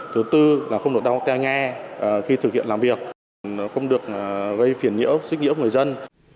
thứ tư là không được đau teo nhe khi thực hiện làm việc không được gây phiền nhiễu xích nhiễu của người dân